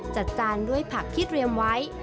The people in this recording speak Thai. จัดจานด้วยผักพริกเรียมไว้